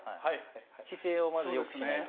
姿勢をまずよくしないと。